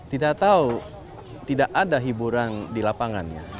tidak tahu tidak ada hiburan di lapangannya